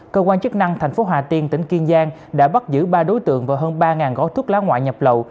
cơ quan chức năng tp hòa tiên tỉnh kiên giang đã bắt giữ ba đối tượng và hơn ba gói thuốc lá ngoại nhập lậu